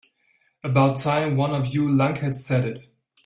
About time one of you lunkheads said it.